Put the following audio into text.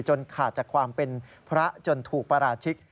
ขาดจากความเป็นพระจนถูกปราชิก